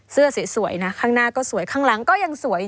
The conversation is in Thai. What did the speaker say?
เสื้อสวยนะข้างหน้าก็สวยข้างหลังก็ยังสวย